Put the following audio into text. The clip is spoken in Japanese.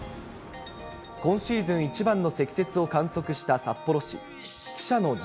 今シーズン一番の積雪を観測した札幌市。